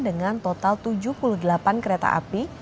dengan total tujuh puluh delapan kereta api